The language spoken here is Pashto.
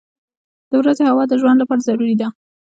• د ورځې هوا د ژوند لپاره ضروري ده.